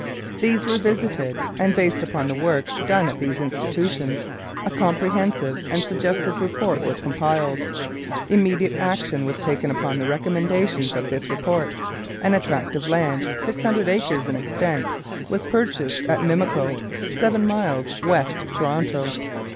These were visited, and, based upon the work done at these institutions, a comprehensive and suggestive report was compiled. Immediate action was taken upon the recommendations of this report, and a tract of land, six hundred acres in extent, was purchased at Mimico, seven miles west of Toronto.